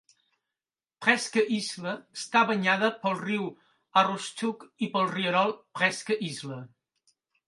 Presque Isle està banyada pel riu Aroostook i pel rierol Presque Isle.